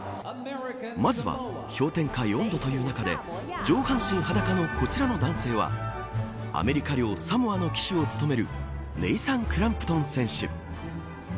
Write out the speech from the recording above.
まずは氷点下４度という中で上半身裸のこちらの男性はアメリカ領サモアの旗手を務めるネイサン・クランプトン選手。